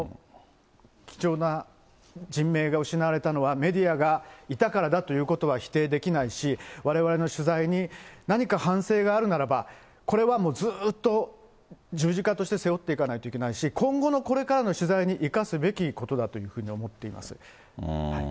貴重な人命が失われたのは、メディアがいたからだということは否定できないし、われわれの取材に何か反省があるならば、これはずっと十字架として背負っていかないといけないし、今後のこれからの取材に生かすべきことだというふうに思っています。